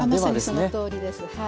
まさにそのとおりです。